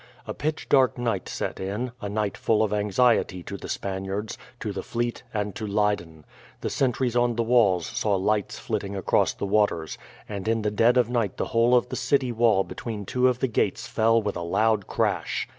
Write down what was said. A pitch dark night set in, a night full of anxiety to the Spaniards, to the fleet, and to Leyden. The sentries on the walls saw lights flitting across the waters, and in the dead of night the whole of the city wall between two of the gates fell with a loud crash.